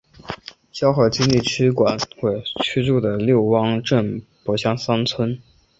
胶河经济区管委驻地六汪镇柏乡三村。